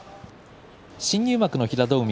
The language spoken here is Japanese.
新入幕の平戸海